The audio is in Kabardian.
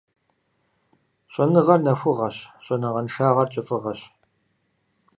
Щӏэныгъэр нэхугъэщ, щӏэныгъэншагъэр кӏыфӏыгъэщ.